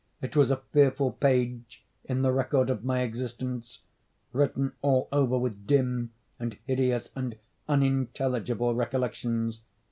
It was a fearful page in the record my existence, written all over with dim, and hideous, and unintelligible recollections.